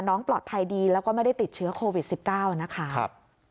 น้องปลอดภัยดีแล้วก็ไม่ได้ติดเชื้อโควิด๑๙นะคะ